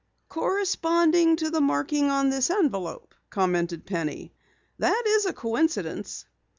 "Corresponding to the marking on this envelope," commented Penny. "That is a coincidence."